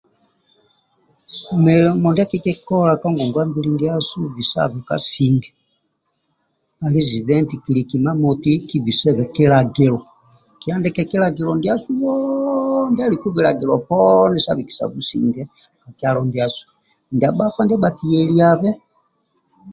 Milimo ndie kikola ka ngongwambili ndiasu bisabe kasinge ali zibe eti kiliki imamoti kibisebe kilagilo kihandike kilagilo ndiasu oooo ti ndia aliku kilagilo poooni ndia bisabe businge ka kialo ndiasu ndia bhakpa ndia bhakiyeliabe